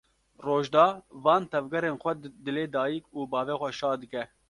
Rojda van tevgerên xwe dilê dayîk û bavê xwe şa dike.